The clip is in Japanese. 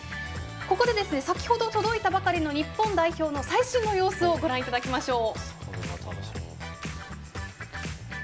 ここで先ほど届いたばかりの日本代表の最新のもようをご覧いただきましょう。